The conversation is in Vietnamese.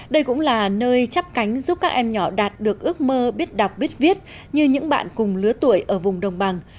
đây cũng là nơi chấp cánh giúp các em nhỏ đạt được ước mơ biết đọc biết viết như những bạn cùng lứa tuổi ở vùng đồng bằng